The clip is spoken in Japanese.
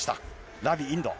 ラビ、インド。